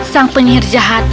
sang penyihir jahat